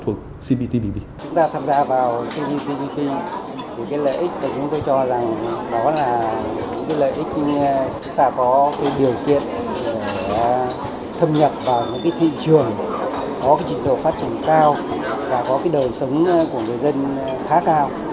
có trình độ phát trình cao và có đời sống của người dân khá cao